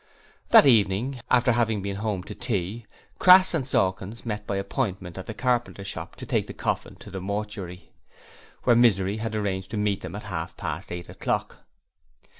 That evening, after having been home to tea, Crass and Sawkins met by appointment at the carpenter's shop to take the coffin to the mortuary, where Misery had arranged to meet them at half past eight o'clock.